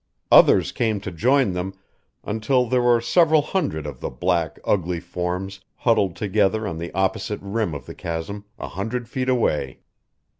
Others came to join them, until there were several hundred of the black, ugly forms huddled together on the opposite rim of the chasm, a hundred feet away.